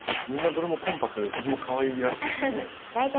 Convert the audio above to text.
みんなどれもコンパクトでとてもかわいらしいですね。